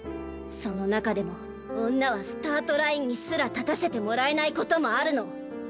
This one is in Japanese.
その中でも女はスタートラインにすら立たせてもらえないこともあるの。